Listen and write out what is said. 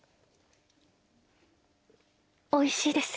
おいしいです。